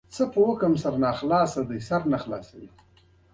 مشر ساقي مې وپیژاند، پخوانۍ پېژندګلوي مو وه.